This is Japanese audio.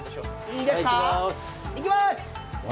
いきます！